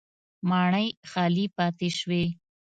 ماڼۍ خالي پاتې شوې.